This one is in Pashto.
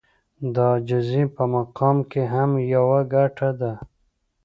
د عاجزي په مقام کې هم يوه ګټه ده.